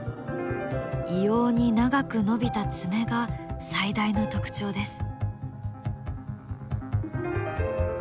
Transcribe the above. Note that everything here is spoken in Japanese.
異様に長く伸びた爪が最大の特徴です。